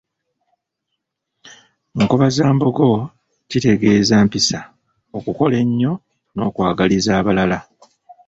Nkobazambogo kitegeeza mpisa, okukola ennyo n’okwagaliza abalala.